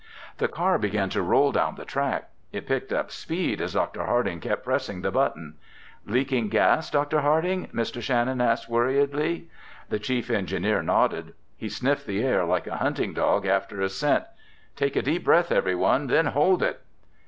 The car began to roll down the track. It picked up speed as Dr. Harding kept pressing the button. "Leaking gas, Dr. Harding?" Mr. Shannon asked worriedly. The chief engineer nodded. He sniffed the air like a hunting dog after a scent. "Take a deep breath, everyone, then hold it!"